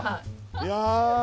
いや。